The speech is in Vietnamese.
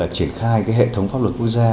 triển khai hệ thống pháp luật quốc gia